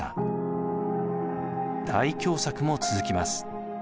大凶作も続きます。